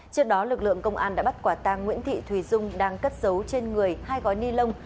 trước đó lực lượng công an đã bắt quả tang nguyễn thị thùy dung đang cất dấu trên người hai gói ni lông